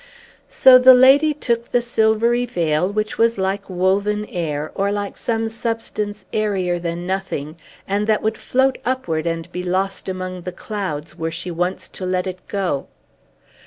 So the lady took the silvery veil, which was like woven air, or like some substance airier than nothing, and that would float upward and be lost among the clouds, were she once to let it go.